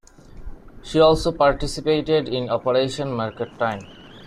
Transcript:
She also participated in Operation Market Time.